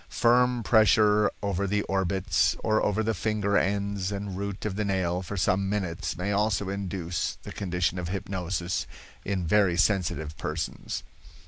Firm pressure over the orbits, or over the finger ends and root of the nail for some minutes may also induce the condition of hypnosis in very sensitive persons.